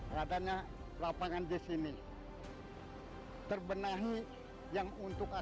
sudah siap saja sebiru itu